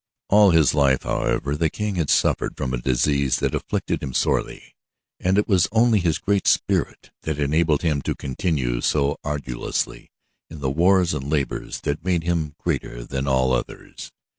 All his life, however, the King had suffered from a disease that afflicted him sorely, and it was only his great spirit that had enabled him to continue so arduously in the wars and labors that had made him greater than all others.